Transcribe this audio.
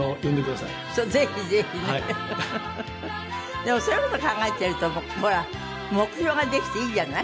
でもそういう事考えてるとほら目標ができていいじゃない？